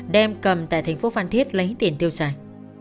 đem cầm tại thành phố phan thiết lấy tiền tiêu xài